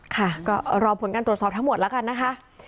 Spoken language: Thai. ค่ะก็รอผลการตรวจสอบทั้งหมดแล้วกันนะคะ